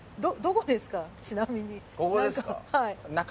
ちなみに。